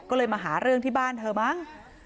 ก็เลยมาหาเรื่องที่บ้านเธอมั้ง